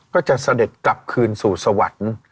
เสด็จกลับคืนสู่สวรรค์